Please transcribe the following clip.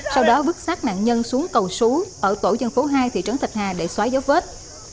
sau đó bức xác nạn nhân xuống cầu sú ở tổ dân phố hai thị trấn thạch hà để xóa giấu vết